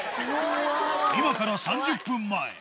今から３０分前。